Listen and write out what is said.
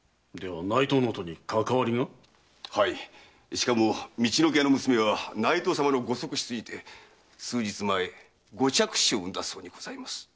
しかも陸奥屋の娘は内藤様のご側室にて数日前ご嫡子を産んだそうにございます。